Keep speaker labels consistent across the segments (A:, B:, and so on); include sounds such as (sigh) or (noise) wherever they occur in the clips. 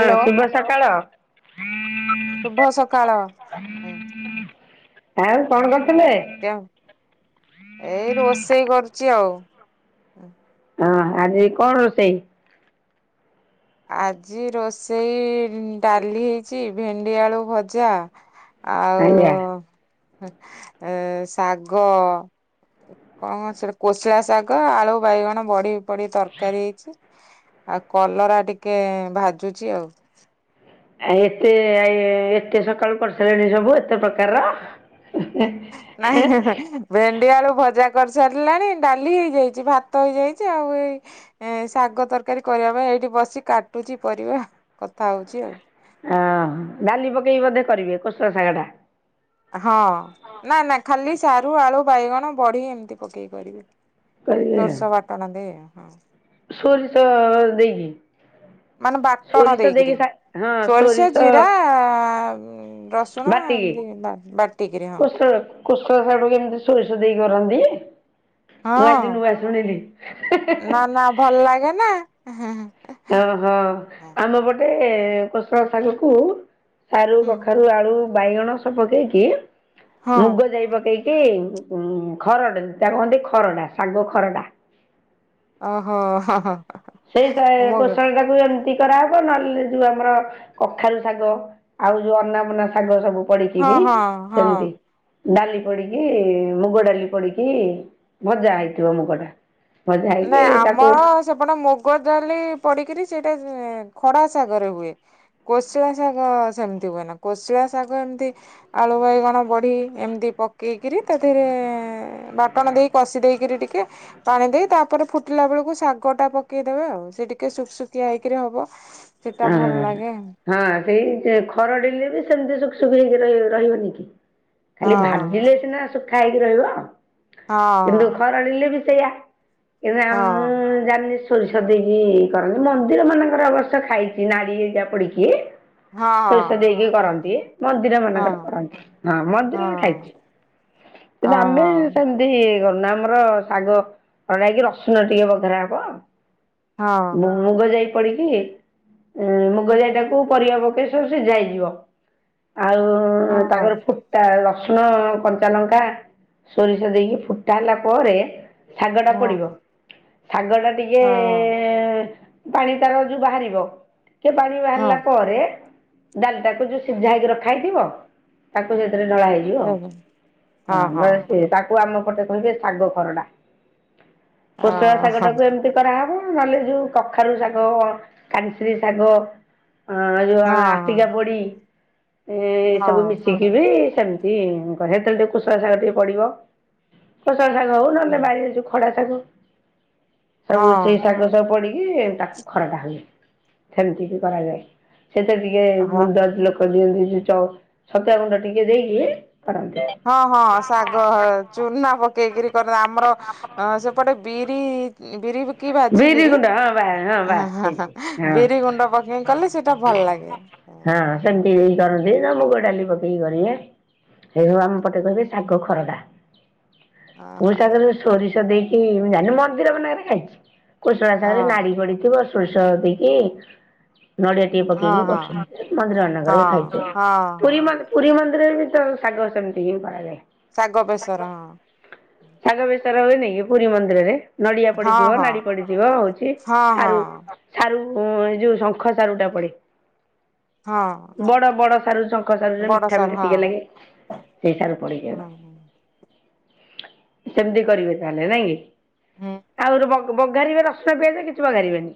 A: ହଁ ଶୁଭ ସକାଳ।
B: ଶୁଭ ସକାଳ।
A: ଆଉ କଣ କରୁଥିଲେ?
B: ଏଇ ରୋଷେଇ କରୁଚି ଆଉ।
A: ହଁ ଆଜି କଣ ରୋଷେଇ?
B: ଆଜି ରୋଷେଇ ଡାଲି ହେଇଚି ଭେଣ୍ଡି, ଆଳୁ ଭଜା। ଆଉ
A: ଆଜ୍ଞା
B: ଉ ଏ ଶାଗ। କଣ ସେ କୋଶଳା ଶାଗ, ଆଳୁ, ବାଇଗଣ, ବଢି। ପଡି ତରକାରୀ ହେଇଚି ଆଉ କଲରା ଟିକେ ଭାଜୁଚି ଆଉ।
A: ଆ ଏତେ ଆ ଇଏ ଏତେ ସକାଳୁ କରିସାରିଲଣି ସବୁ ଏତେ ପ୍ରକାର ର।
B: ନାହିଁ (unintelligible) ଭେଣ୍ଡି, ଆଳୁ ଭଜା କରିସାରିଲାଣି ଡାଲି ହେଇଯାଇଚି ଭାତ ହେଇଯାଇଚି ଆଉ ଏଇ। ଏଁ ଶାଗ ତରକାରୀ କରିବା ପାଇଁ ଏଇଠି ବସି କାଟୁଚି ପରିବା କଥା ହଉଚି ଆଉ।
A: ଅ ହଁ ଡାଲି ପକେଇକି ବୋଧେ କରିବେ କୋଶଳା ଶାଗ ଟା।
B: ହଁ ନା ନା ଖାଲି ସାରୁ, ଆଳୁ, ବାଇଗଣଜ ବଢି ଏମିତି ପକେଇ କରିବି।
A: କରିବେ
B: ସୋରିଷ ବାଟଣା ଦେଇ ହଁ।
A: ସୋରିଷ ଦେଇକି।
B: ମାନେ ବାଟଣ
A: ସୋରିଷ ଦେଇକି
B: ଦେଇକିରୀ
A: ଶା ହଁ
B: ସୋରିଷ, ଜିରା ଉଁ। ରସୁଣ
A: ବାଟିକି
B: ଏମିତି ବା-ବାଟିକିରି ହଁ।
A: କୋଶଳ କୋଶଳା ଶାଗକୁ ଏମିତି ସୋରିଷ ଦେଇ କରନ୍ତି। ମୁଁ ଆଜିି
B: ହଁ
A: ନୂଆ ଶୁଣିଲି ହେ ହେ ହେ।
B: ନା ନା ଭଲ ଲାଗେ ନା।
A: ଓହୋ ଆମ ପଟେ କୋଷଳା ଶାଗ କୁ। ସାରୁ,
B: ହୁଁ
A: କଖାରୁ, ଆଳୁ, ବାଇଗଣ ସବୁ ପକେଇକି
B: ହଁ
A: ମୁଗ, ଯାଇ ପକେଇ କି ଉଁ ଖରଡ଼ା ତାକୁ କହନ୍ତି ଖରଡ଼ା ଶାଗ ଖରଡ଼ା।
B: ଓହୋ ହ ହ।
A: ସେଇ ଟା କୋଶଳ ଟାକୁ ଏମିତି କରାହବ ନହେଲେ ଯୋଉ ଆମର କଖାରୁ, ଶାଗ। ଆଉ ଯୋଉ ଅନାବନା ଶାଗ ସବୁ ପଡିକି
B: ହଁ
A: ବି
B: ହଁ ହଁ।
A: ସେମିତି। ଡାଲି ପଡିକି ମୁଗ ଡାଲି ପଡିକି ଭଜା ହେଇଥିବ ମୁଗ ଟା। ଭଜା ହେଇକି ତାକୁ।
B: ସେପଟ ମୁଗ ଡାଲି ପଡିକିରି ସେଇଟା ଇଁ ଏଁ ଖଡା ଶାଗ ରେ ହୁଏ। କୋଶିଳା ଶାଗ ସେମିତି ହୁଏ ନା କୋଶିଳା ଶାଗ ଏମତି। ଆଳୁ, ବାଇଗଣ, ବଢି ଏମତି ପକେଇକିରି ତାଧିରେ। ଏ ବାଟଣ ଦେଇ କଷି ଦେଇକିରୀ ଟିକେ ପାଣି ଦେଇ ତା। ପରେ ଫୁଟିଲା ବେଳକୁ ଶାଗ ଟା ପକେଇଦେବେ ଆଉ ସେ ଟିକେ ଶୁଖସୁଖିଆ ହେଇକିରି ହବ। ସେଟା ଭଲ
A: ହଁ
B: ଲାଗେ।
A: ହଁ ସେଇ (unintelligible) ଖରଡିଲେ ବି ସେମିତି ସୁଖ ସୁୁଖ ହେଇକି ର ରହିବନି କି? ଖାଲି
B: ହଁ
A: ଭାଜିଲେ ସିନା ଶୁଖା ହେଇକି ରହିବ
B: ହଁ
A: କିନ୍ତୁ ଖରଡିଲେ ବି ସେୟା (unintelligible) ମୁଁ ଜାଣିନି ସୋରିଷ ଦେଇକି କରନ୍ତି ମନ୍ଦିର ମାନଙ୍କର ଅବ ସ୍ୟ ଖାଇଛି ନାଡ଼ି ହେରିକା ପଡିକି।
B: ହଁ
A: ସୋରିଷ ଦେଇକି
B: ହଁ
A: କରନ୍ତି ମନ୍ଦିର ମାନଙ୍କରେ
B: ହଁ।
A: କରନ୍ତି ହଁ ମନ୍ଦିରରେ ଖାଇଛି। କିନ୍ତୁ ଆମେ
B: ଓହୋ।
A: ସେମିତି କରୁନା ଆମର ଶାଗ ଖରଡା ହେଇକି ରସୁଣ ଟିକେ ବଘରା ହବ।
B: ହଁ।
A: ମୁଗ, ଯାଇ ପଡିକି ଏଁ ମୁଗ, ଯାଇ ଟାକୁ ପରିବା ପକେଇ ସବୁ ସିଝା ହେଇଯିବ। ଆଉ
B: ହଁ ହଁ।
A: ତାପରେ ଫୁ ତା ରସୁଣ, କଞ୍ଚା ଲଙ୍କା, ସୋରିଷ ଦେଇକି ଫୁଟା ହେଲା ପରେ। ଶାଗଟା
B: ହଁ
A: ପଡିବ ଶାଗଟା ଟିକେ।
B: ହଁ
A: ଏ ପାଣି ତାର ଯୋଉ ବାହାରିବ ଟିକେ ପାଣି ବାହାରିଲା ପରେ। ଡାଲିଟାକୁ ଯୋଉ ସିଝା ହେଇକି ରଖା ହେଇଥିବ ତାକୁ ସେଥିରେ ଢଳା ହେଇ
B: ହଁ ହଁ ହଁ
A: (unintelligible) ତାକୁ ଆମ ପଟେ କହିବେ ଶାଗ ଖରଡ଼ା। କୋଶଳା ଶାଗଟାକୁ ଏମିତି କରାହବ। ନହେଲେ ଯୋଉ କଖାରୁ ଶାଗ, କାନିସିରୀ ଶାଗ ଅଁ ଯୋଉ ଆଟିକା
B: ହଁ
A: ପୋଡି ଏ ଏ ସବୁ
B: ହଁ
A: ମିଶିକି ବି ସେମତି ହେତେବେଳେ ଟିକେ କୋଶଳା ଶାଗ ଟିକେ ପଡିବ। କୋଶଳା ଶାଗ ହଉ ନହେଲେ ବାଡିରେ ଯୋଉ ଖଡା ଶାଗ ସବୁ ସେଇ ଶାଗ ସବୁ ପଡିକି ତାକୁ ଖରଡା ହୁଏ। ସେମିତି ବି କରାଯାଏ। ସେତିରେ ଟିକେ
B: ହଁ
A: ଗୁଣ୍ଡ ଲୋକ ଦିଅନ୍ତି ଯୋଉ ଚଉ ଛତୁଆ ଗୁଣ୍ଡ ଟିକେ ଦେଇକି କରନ୍ତି।
B: ହଁ ହଁ ଶାଗ ଚୁନା ପକେଇକିରି କର ଆମର ସେପଟେ ବିରି ବିରି କି
A: ବିରି
B: ଭାଜିିକିରି,
A: ଗୁଣ୍ଡ ହଁ ବା ହଁ ବାସ୍ ସେଇଠି
B: (unintelligible)
A: ହଁ।
B: ବିରି ଗୁଣ୍ଡ ପକେଇ କଲେ ସେଇଟା ଭଲ ଲାଗେ। ଓହୋ
A: ହଁ ସେମିତି ବି କରନ୍ତି। ନ ମୁଗ ଡାଲି ପକେଇକି କରିବେ। ସେଇଆକୁ ଆମ ପଟେ କହିବେ ଶାଗ ଖରଡା। ମୁଁ ଶାଗରେ ଯୋଉ ସୋରିଷ ଦେଇକି ମୁଁ ଜାଣିନି ମନ୍ଦିର ମାନଙ୍କ ରେ ଖାଇଚି। କୋଶଳା
B: ହଁ
A: ସାଗରେ ନାଡ଼ି ପଡିଥିବ ସୋରିଷ ଦେଇକି ନଡ଼ିଆ ଟିକେ
B: ହଁ
A: ପକେଇକି
B: ହଁ
A: କରୁଛନ୍ତି। ମନ୍ଦିର
B: ହଁ
A: ମାନଙ୍କରେ ଖାଇଚି।
B: ହଁ ହଁ
A: ପୁରୀ ମନ୍ଦି ପୁରୀ ମନ୍ଦିରରେ ବି ତ ଶାଗ ସେମିତି ହିଁ କରାଯାଏ।
B: ଶାଗ ବେଶର ହଁ।
A: ଶାଗ ବେସର ବି (unintelligible) ପୁରୀ ମନ୍ଦିରରେ ନଡିଆ ପଡି
B: ହଁ
A: ଥିବ
B: ହଁ
A: ନାଡି ପଡିଯିବ ହଉଚି
B: ହଁ ହଁ
A: ସାରୁ
B: ହଁ
A: ସାରୁ ଯୋଉ ଶଙ୍ଖ ସାରୁ ଟା ପଡେ।
B: ହଁ।
A: ବଡ ବଡ ସାରୁ ଶଙ୍ଖ ସାରୁ ଯୋଉରା
B: ବଡ
A: ମିଠା
B: ସାର୍
A: ମିଠା ଟିକେ ଲାଗେ। ସେଇ ସାରୁ ପଡିକି
B: ହଁ।
A: ହୁଏ। ସେମିତି କରିବେ ତାହେଲେ ନାଇଁ କି?
B: ହୁଁ।
A: ଆଉ ରୁ ବଗ୍ ବଘାରିବେ ରସୁଣ ପିଆଜ କିଛି ବଗାରିବେନି?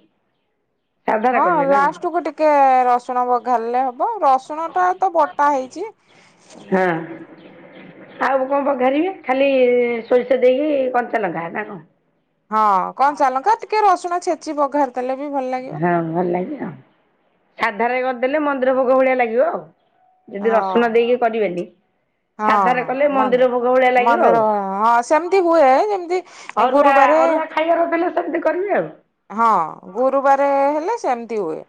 B: ହଁ ଲାଷ୍ଟକୁ ଟି କେ ରସୁଣ ବଘାରିଲେ ହବ। ରସୁଣ ଟା ତ ବଟା ହେଇଚି।
A: ହଁ ଆଉ କଣ ବଘାରିବେ ଖାଲି ସୋରିଷ ଦେଇକି କଞ୍ଚା ଲଙ୍କା ନା କଣ?
B: ହଁ। କଞ୍ଚା ଲଙ୍କା ଟିକେ ରସୁଣ ଛେଚି ବଘାରୁ।
A: ହଁ ଭଲ ଲାଗେ ଆଉ। ସାଧାରେ କରିଦେଲେ ମନ୍ଦିର ଭୋଗ ଭଳିଆ ଲାଗିବ ଆଉ। ଯଦି ରସୁଣ
B: ହଁ
A: ଦେଇକି କରିବେନି
B: ହଁ
A: ସାଧାରେ
B: ହଁ
A: କଲେ
B: ମନେ,
A: ମନ୍ଦିର ଭୋଗ ଭଳିଆ ଲାଗିବ ଆଉ।
B: ମନ୍ଦିର ହଁ ସେମିତି ହୁଏ ଯେମତି
A: ଅରୁଆ ଅରୁଆ ଖାଇବାର ଥିଲେ ସେମିତି କରିବେ ଆଉ।
B: ହଁ ଗୁରୁବାରେ ହେଲେ ସେମିତି ହୁଏ।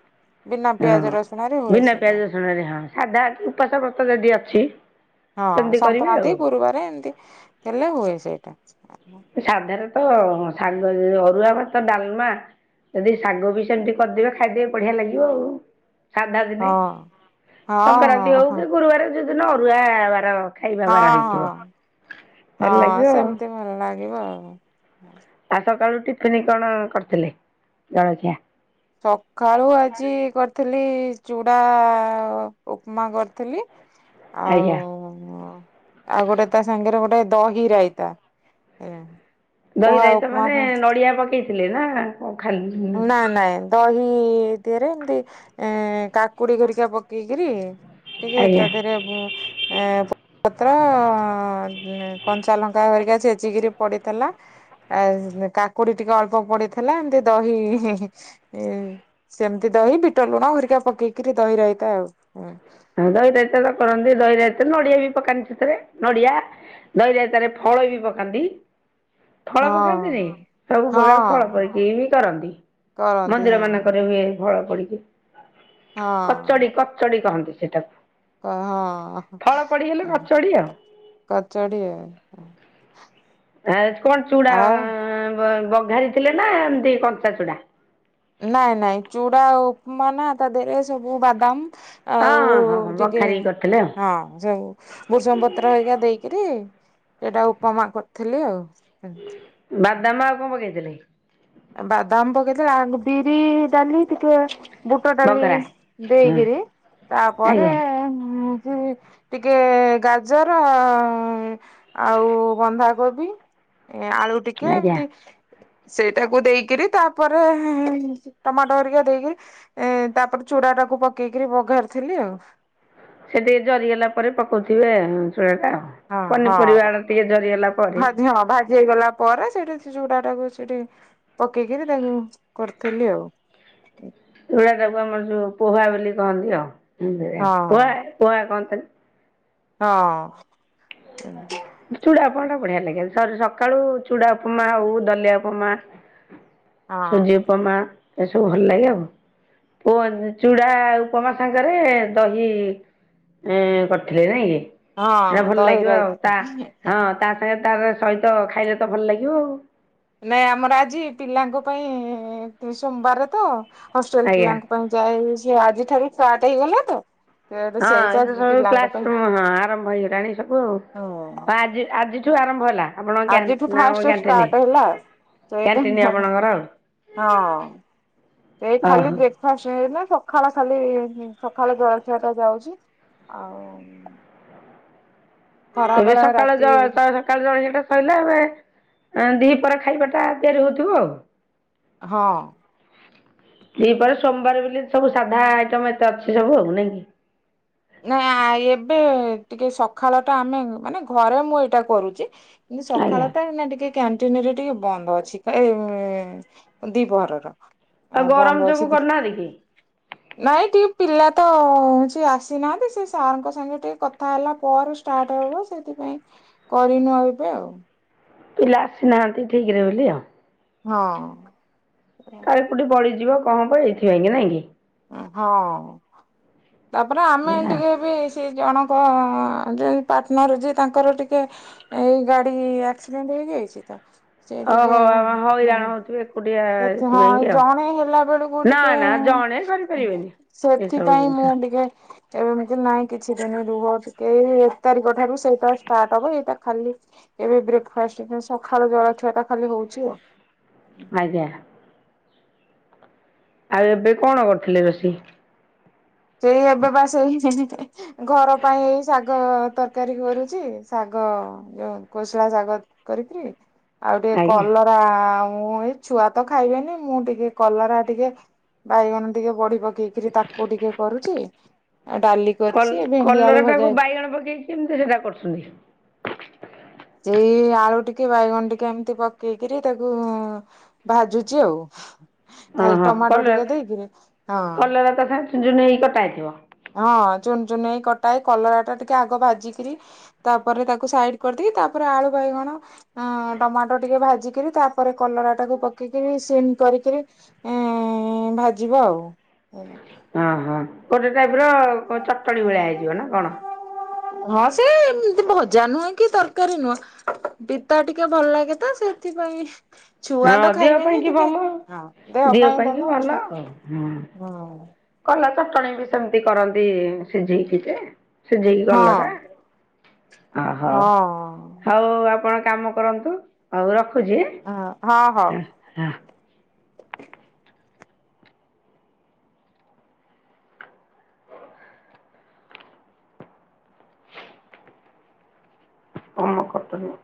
B: ବିନା ପିଆଜ ରସୁଣ ରେ ହୁଏ ସେଇଟା।
A: ଗୁରୁବାରେ ହଁ, ସାଧା କି ଉପାସ ବ୍ରତ ଯଦି ଅଛି
B: ହଁ
A: ସେମିତି କରିବେ
B: ସଂକ୍ରାନ୍ତି
A: ଆଉ।
B: ଗୁରୁବାରେ ଏମତି ହେଲେ ହୁଏ ସେଇଟା।
A: ସାଧାରେ ତ ଶାଗ ଅରୁଆ ଭାତ ଡାଲମା ଯଦି ଶାଗ ବି ସେମତି କରିଦେବେ ଖାଇଦେବେ ବଢିଆ ଲାଗିବ ଆଉ। ସାଧା ଦିନେ
B: ହଁ
A: ସଂକ୍ରାନ୍ତି
B: ହଁ
A: ହଉ
B: ହଁ
A: କି ଗୁରୁବାର ଯୋଉ ଦିନ ଅରୁଆବାର।
B: ହଁ ହଁ।
A: ଭଲ
B: ହଁ
A: ଲାଗିବ ଆଉ
B: ସେମତି ଭଲ ଲାଗିବ ଆଉ।
A: ଆଉ ସକାଳୁ ଟିଫିନି କଣ କରିଥିଲେ ଜଳଖିଆ?
B: ସକାଳୁ ଆଜି କରିଥିଲି ଚୁଡା ଉପମା କରିଥିଲି। ଆଉ
A: ଆଜ୍ଞା
B: ଆଉ ଗୋଟେ ତା ସାଙ୍ଗରେ ଗୋଟେ ଦହିରାଇତା।
A: ଦହି ରାଇତା ମାନେ ନଡିଆ ପକେଇଥିଲେ ନା। ଖାଲି
B: ନା ନାଇଁ। ଦହି ଦିଆରେ (unintelligible) ଏମିତି ଏ କାକୁଡି ଘରିକା ପକେଇକରି ଟିକେ
A: ଆଜ୍ଞା
B: ତା ଦେହରେ ମୁଁ ଏ (inaudible) ପତ୍ର କଞ୍ଚା ଲଙ୍କା କରିକା ଛେଚିକିରି ପଡିଥିଲା। ଆ କାକୁଡି ଟିକେ ଅଳ୍ପ ପଡିଥିଲା ଏମିତି ଦହି ସେମିତି ଦହି ବିଟ ଲୁଣ ହେରିକା ପକେଇକିରି ଦହି ରହିଥାଏ ଆଉ।
A: ହଉ ଦହି ରତ ତ କରନ୍ତି ଦହି ରାଇତି ନଡିଆ ବି ପକନ୍ତି ସେଥିରେ ନଡିଆ ଦହି ରାଇତାରେ ଫଳ ବି ପକାନ୍ତି। ଫଳ ପକାନ୍ତିନି
B: ହଁ
A: ସବୁ ପ୍ରକାର ଫଳ
B: ହଁ
A: ପକକି ବି କରନ୍ତି।
B: କରନ୍ତି
A: ମନ୍ଦିର
B: ହଁ।
A: ମାନଙ୍କରେ ହୁଏ ଫଳ ପଡିକି।
B: ହଁ
A: କଚଡି କଚଡି କହନ୍ତି ସେଟାକୁ।
B: ହଁ
A: ଫଳ ପଡିଗଲେ କଚଡି ଆଉ।
B: କଚଡି ଆ
A: କଣ ଚୁଡା
B: ଆଉ
A: ବଘାରି ଥିଲେ ନା ଏମିତି କଞ୍ଚା ଚୁଡା।
B: ନାଇଁ ନାଇଁ ଚୁଡା ଉପମା ନା ତା ଦେହରେ ସବୁ ବାଦାମ
A: ହଁ
B: ଆଉ
A: ହଁ ହଁ
B: ଟିକେ
A: ବଘାରି କରିଥିଲେ ଆଉ
B: ହଁ ସେଉ ବୃଷଙ୍ଗ ପତ୍ର ହେଇକା ଦେଇକରି ସେଇଟା ଉପମା କରିଥିଲି ଆଉ।
A: ବାଦାମ ଆଉ କଣ ପକେଇଥିଲେ।
B: ବାଦାମ ପକେଇଲେ ବିରି ଡାଲି ଟିକେ। ବୁଟ ଡାଲି
A: ବଘରା। ହଁ
B: ଦେଇକିରି ତାପରେ
A: ଆଜ୍ଞା
B: ଯ ଟିକେ ଗାଜର ଆଉ ବନ୍ଧାକୋବି। ଏ ଆଳୁ ଟିକେ
A: ଆଜ୍ଞା।
B: ଏମତି ସେ ତାକୁ ଦେଇକରି ତାପରେ ଟମାଟୋ ହାରିକା ଦେଇକରି ଏ ତାପରେ ଚୁରା ଟାକୁ ପକେଇକିରି ବଘାରିଥିଲି ଆଉ।
A: ସେ ଟିକେ ଜରି ହେଲା ପରେ ପକଉଥିବେ ଚୂଡ଼ାଟା
B: ହଁ
A: ପନିପରିବା ଆଡ ଟିକେ ଜରି ହେଲା ପରେ
B: ହେଇ ଗଲା ପରେ ସେଠି ସେ ଯୋଉଟା ଟାକୁ ସେଠି ପକେଇକିରି ତାକୁ କରିଥିଲି ଆଉ।
A: ଏଇଗଡା (unintelligible) ତାକୁ ଆମର ଯୋଉ ପୋହା ବୋଲି କହନ୍ତି ଆଉ ପୋହା ପୋହା କହନ୍ତିନ।
B: ହଁ ହଁ
A: ଚୁଡ଼ାଉପମା ଟା ବଢିଆ ଲାଗେ ସକାଳୁ ଚୁଡ଼ା ଉପମା ଆଉ ଦଲିଆ ଉପମା
B: (inaudible)
A: ସୁଜି ଉପମା ଏସବୁ ଭଲ ଲାଗେ ଆଉ। (inaudible) ଚୁଡ଼ା ଉପମା ସାଙ୍ଗରେ ଦହି ଏଁ କରିଥିଲେ ନାଇଁ କି।
B: ହଁ
A: ହେଟା ଭଲ
B: ଦହ
A: ଲାଗିବ ଆଉ ତା ହଁ ତା ସାଙ୍ଗେ ତାର ସହିତ ଖାଇଲେ ତ ଭଲ ଲାଗିବ ଆଉ।
B: ନାଇଁ ଆମର ଆଜି ପିଲାଙ୍କ ପାଇଁ ସୋମବାର ତ ହଷ୍ଟେଲ
A: ଆଜ୍ଞା
B: ପିଲାଙ୍କ ପାଇଁ ଯାଇ ସ ଆଜି ଠାରୁ ଫାର୍ଟ ହେଇଗଲା ତ।
A: ହଁ
B: ସେଇଟା
A: ଏତ ସବୁ
B: ପିଲାଙ୍କ
A: କ୍ଲାସ
B: ପାଇଁ
A: ର ହଁ ଆରମ୍ଭ ହେଇଗଲାଣି ସବୁ
B: ହଁ।
A: ଆଜି ଆଜି ଠୁ ଆରମ୍ଭ ହେଲା। ଆପଣଙ୍କ କ୍ୟା
B: ଆଜିଠୁ
A: ନା କଣ
B: ଫାଷ୍ଟ
A: କ୍ୟାଣ୍ଟିନ?
B: ଷ୍ଟାର୍ଟ ହେଲା ସେଟ
A: କ୍ୟାଣ୍ଟିନ୍ ଆପଣଙ୍କର ଆଉ
B: ହଁ ଏଇ ଖାଲି
A: ଓହୋ
B: ବ୍ରେକ ଫାଷ୍ଟ ହେଇନି ସକାଳ ଖାଲି ସକାଳେ ଜଳଖିଆ ଟା ଯାଉଛି ଆଉ ଖରା
A: ଏବେ
B: ବେଳ
A: ସକାଳେ
B: ରାତି
A: ଯା (inaudible) ସକାଳୁ ଜଳଖିଆ ଟା ସରିଲା ଏବେ ଦି ପ୍ରହର ଖାଇବାଟା ତିଆରି ହଉଥିବ ଆଉ।
B: ହଁ
A: ଦ୍ୱିପହର ସୋମବାର ବୋଲି ସବୁ ସାଧା ଆଇଟମ ଏତେ ଅଛି ସବୁ ଆଉ ନାଇଁ କି।
B: ନାଇ ଏବେ ଟିକେ ସକାଳ ଟା ଆମେ ମାନେ ଘରେ ମୁଁ ଏଇଟା କରୁଛି। କିନ୍ତୁ
A: ଆଜ୍ଞା
B: ସକାଳ ଟା ଏଇନା ଟିକେ କ୍ୟାଣ୍ଟିନରେ ଟିକେ ବନ୍ଦ ଅଛି ଦି ପହର ର।
A: ଆଉ
B: ଆ
A: ଗରମ
B: ବନ୍ଦ ଅଛି
A: ଯୋଗୁଁ କରୁନାହାନ୍ତି କି
B: ନାଇଁ ଟିକେ ପିଲା ତ ହଉଛି ଆସ ନାହାନ୍ତି ସେ ସାରଙ୍କ ସାଙ୍ଗେ ଟିକେ କଥା ହେଲା ପରେ ଷ୍ଟାର୍ଟ ହବ ସେଥିପାଇଁ କରିନୁ ଆଉ ଏବେ ଉ
A: ପିଲା ଆସିନାହାନ୍ତି ଠିକ ରେ ବୋଲି ଆଉ
B: ହଁ।
A: କାଳେ କଉଠି ଗଲିଯିବ କଣ ହବ ଏଇଥିପାଇଁ କି ନାଇଁ କି?
B: ହଁ ତାପରେ ଆମେ ଏ ଟିକେ ବି ସେ ଜଣଙ୍କ ଯେ ପାର୍ଟନର୍ ଅଛି ତାଙ୍କର ଟିକେ ଏଇ ଗାଡି ଆକ୍ସିଡେଣ୍ଟ ହେଇଯାଇଛି ତ। ସେ ଟିକେ
A: ଓହୋ ହଇରାଣ ହେଉଥିବେ ଏକୁଟିଆ
B: ସେ
A: ଏଥିପାଇଁକି
B: ହଁ
A: ଆଉ
B: ଜଣେ ହେଲା ବେଳକୁ
A: ନା
B: ଟିକେ।
A: ନା ଜଣେ କରିପାରିବେନି ଏସବୁ
B: ସେଥିପାଇଁ
A: ଜିନିଷ
B: ମୁଁ ଟିକେ ଏବେ ଏମିତି ନାଇଁ କିଛି ଦିନ ରୁହ ଟିକେ ଏଇ ଏକ ତାରିଖ ଠାରୁ ସେଇଟା ଷ୍ଟାର୍ଟ ହବ ଏଇଟା ଖାଲି ଏବେ ବ୍ରେକଫାଷ୍ଟ ସକାଳ ଜଳାଖିଆ ଟା ଖାଲି ହଉଛି ଆଉ।
A: ଆଜ୍ଞା। ଆଉ ଏବେ କଣ କରୁଥିଲେ ରୋଷେଇ?
B: ସେଇ ଏବେ ବା ସେଇ। ଘର ପାଇଁ ଏଇ ଶାଗ ତରକାରୀ କରୁଛି ଶାଗ ଯୋଉ କୋଶଳା ଶାଗ କରିକିରି ଆଉ ଟିକେ
A: ଆଜ୍ଞା
B: କଲର ବା ଏଇ ଛୁଆ ତ ଖାଇବେନି ମୁଁ ଟିକେ କଲରା ଟିକେ ବାଇଗଣ ଟିକେ ବଢି ପକେଇକିରି ତାକୁ ଟିକେ କରୁଛି ଆଉ ଡାଲି
A: କଲ
B: କରିଛି ଭେଣ୍ଡି
A: କଲରା
B: ଆଳୁ ଭଜା
A: ଟାକୁ ବାଇଗଣ ପକେଇଛି କେମିତି ସେଇଟା କରୁଛନ୍ତି?
B: ସେଇ ଆଳୁ ଟିକେ ବାଇଗଣ ଟିକେ ଏମିତି ପକେଇକିରି ତାକୁ ଭାଜୁଛି ଆଉ।
A: ହଁ
B: ଖାଲି
A: ହଁ
B: ଟମାଟୋ
A: କଲରା
B: ଟିକେ ଦେଇକିରି ହଁ।
A: କଲରା ତା ସାଙ୍ଗେ ଚୁନ ଚୁନ ହେଇକି କଟା ହେଇଥିବ।
B: ହଁ ଚୁନ ଚୁନ ହେଇ କଟା ହେଇ କଲରା ଟା ଟିକେ ଆଗ ଭାଜିିକରି ତାପରେ ତାକୁ ସାଇଡ କରିଦେଇକି ତାପରେ ଆଳୁ ବାଇଗଣ ଅ ଟମାଟୋ ଟିକେ ଭାଜିିକରି ତାପରେ କଲରା ଟାକୁ ପକେଇକିରି ସିମ କରିକିରି ଉଁ ଭାଜିବ ଆଉ ହୁଁ।
A: ଓଁ ହଁ ଗୋଟେ ଟାଇପ୍ ର ଚଟଣୀ ଭଳିଆ ହେଇଯିବ ନା କଣ?
B: ହଁ ସେ ଏମତି ଭଜା ନୁହେଁ କି ତରକାରୀ ନୁହେଁ। ପିତା ଟିକେ ଭଲ ଲାଗେ ତ ସେଥିପାଇଁ। ଛୁଆ
A: ହଁ
B: ତ
A: ଦେହ ପାଇଁ
B: ଖାଇବେନି
A: କି
B: ଟିକେ
A: ଭଲ।
B: ଦେହ ପାଇଁ ଭଲ ଅଛି। ହୁଁ।
A: କଲା ଚଟଣୀ ବି ସେମିତି କରନ୍ତି ସିଝେଇକି ଯେ ସିଝେଇକି
B: ହଁ
A: କଲରା। ଓହୋ
B: ହଁ
A: ହଉ ଆପଣ କାମ କରନ୍ତୁ। ହଉ ରଖୁଛି
B: ହଁ ହଉ
A: ହଁ। କଣ କରୁଛନ୍ତି?